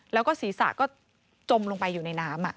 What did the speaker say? แล้วก็ศีรษะก็จมลงไปอยู่ในน้ำ